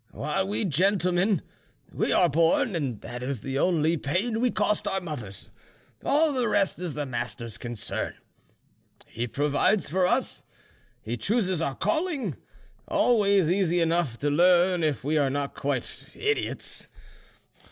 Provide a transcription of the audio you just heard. While we, gentlemen, we are born, and that is the only pain we cost our mothers—all the rest is the master's concern. He provides for us, he chooses our calling, always easy enough to learn if we are not quite idiots.